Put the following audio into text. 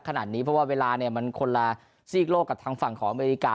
ขนาดนี้เพราะว่าเวลาเนี่ยมันคนละซีกโลกกับทางฝั่งของอเมริกา